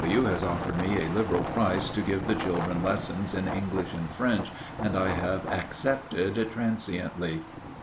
W. has offered me a liberal price to give the children lessons in English and French, and I have accepted transiently.